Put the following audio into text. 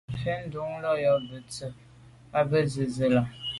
Mvə̌ nǔm nɔ́də́ bā lâ' ndíp zə̄ bū bə̂ tɔ̌ zə̄ lá' lá.